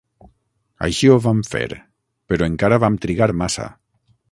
Així ho vam fer, però encara vam trigar massa.